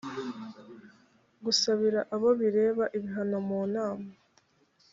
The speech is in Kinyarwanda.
gusabira abo bireba ibihano mu nama